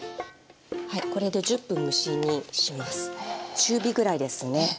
中火ぐらいですねはい。